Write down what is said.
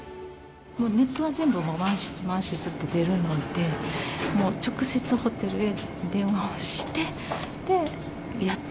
ネットは全部満室、満室って出るので、もう直接ホテルへ電話をして、やっと。